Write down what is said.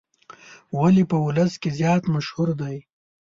ولې په ولس کې زیات مشهور دی.